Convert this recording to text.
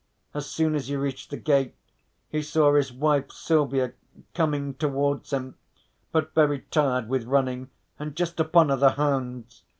As soon as he reached the gate he saw his wife Silvia coming towards him but very tired with running and just upon her the hounds.